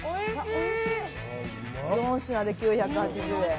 ４品で９８０円。